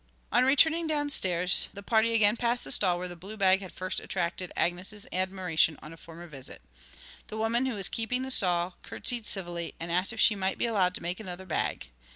On returning downstairs the party again passed the stall where the blue bag had first attracted Agnes's admiration on a former visit. The woman who was keeping the stall curtseyed civilly, and asked if she might be allowed to make another bag.